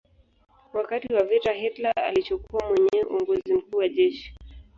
Wakati wa vita Hitler alichukua mwenyewe uongozi mkuu wa jeshi.